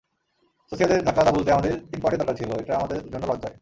সোসিয়েদাদের ধাক্কাটা ভুলতে আমাদের তিন পয়েন্টের দরকার ছিল, এটা আমাদের জন্য লজ্জাই।